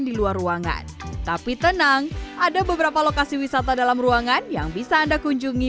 di luar ruangan tapi tenang ada beberapa lokasi wisata dalam ruangan yang bisa anda kunjungi